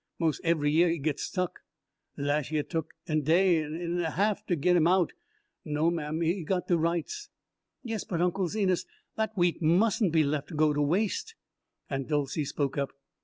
Mos' eve'y year he gits stuck. Las' year tuk er day en er ha'f to git him out. No'm; he's got de rights." "Yes, but, Unc' Zenas, that wheat mustn't be left go to waste." Aunt Dolcey spoke up.